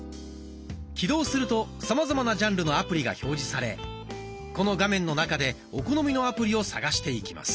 起動するとさまざまなジャンルのアプリが表示されこの画面の中でお好みのアプリを探していきます。